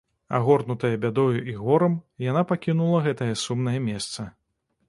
Агорнутая бядою і горам, яна пакінула гэтае сумнае месца.